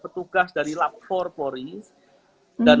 tukang air yang ada di gelas